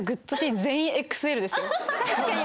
確かに。